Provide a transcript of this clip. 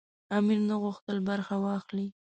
امیر نه غوښتل برخه واخلي.